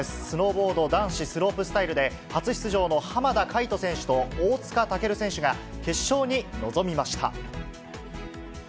スノーボード男子スロープスタイルで、初出場の浜田海人選手と大塚健選手が決勝に臨みました。